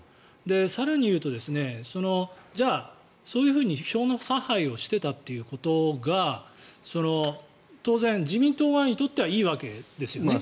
更に言うとじゃあ、そういうふうに票の差配をしていたということが当然、自民党側にとってはいいわけですよね。